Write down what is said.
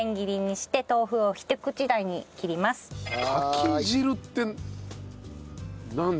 カキ汁ってなんだ？